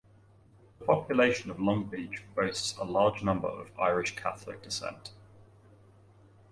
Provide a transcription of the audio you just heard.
The population of Long Beach boasts a large number of Irish Catholic descent.